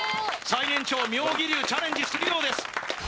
最年長妙義龍チャレンジするようです